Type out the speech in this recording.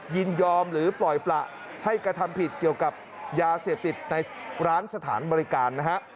ยินยอมหรือปล่อยประให้กระทำผิดเกี่ยวกับยาเสพติดในร้านสถานบริการนะฮะ